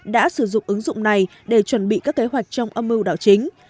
đã sử dụng ứng dụng này để chuẩn bị các kế hoạch trong âm mưu đảo chính